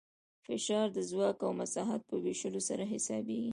فشار د ځواک او مساحت په ویشلو سره حسابېږي.